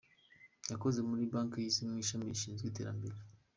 Yakoze muri banki y’isi mu ishami rishinzwe iterambere.